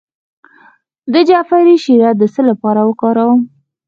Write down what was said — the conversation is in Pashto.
د جعفری شیره د څه لپاره وکاروم؟